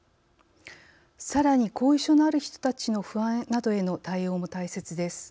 さらに、後遺症のある人たちの不安などへの対応も大切です。